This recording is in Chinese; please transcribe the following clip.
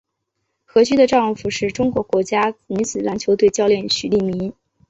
何军的丈夫是中国国家女子篮球队教练许利民。